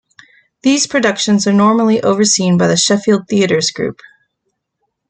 These productions are normally overseen by the Sheffield Theatres Group.